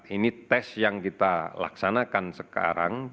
ini tes yang kita laksanakan sekarang